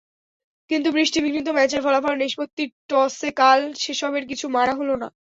কিন্তু বৃষ্টিবিঘ্নিত ম্যাচের ফলাফল নিষ্পত্তির টসে কাল সেসবের কিছুই মানা হলো না।